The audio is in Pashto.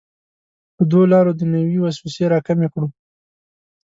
په دوو لارو دنیوي وسوسې راکمې کړو.